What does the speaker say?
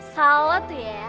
salah tuh ya